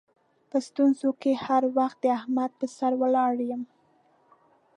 په ستونزو کې هر وخت د احمد پر سر ولاړ یم.